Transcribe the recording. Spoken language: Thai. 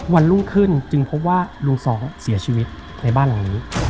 วันรุ่งขึ้นจึงพบว่าลุงสองเสียชีวิตในบ้านหลังนี้